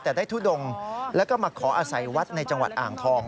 แต่ได้ทุดงแล้วก็มาขออาศัยวัดในจังหวัดอ่างทอง